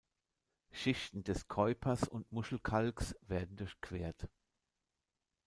Schichten des Keupers und Muschelkalks werden durchquert.